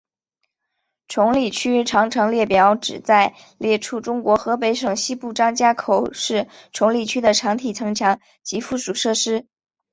崇礼区长城列表旨在列出中国河北省西部张家口市崇礼区的长城墙体及附属设施。